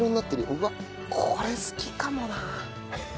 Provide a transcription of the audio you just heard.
うわっこれ好きかもな。